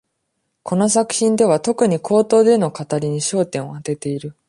この作品では、特に口頭での語りに焦点を当てている。